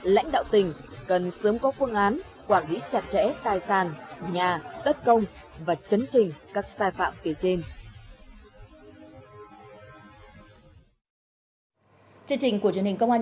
lãnh đạo tỉnh cần sớm có phương án quản lý chặt chẽ tài sản nhà đất công và chấn trình các sai phạm kể trên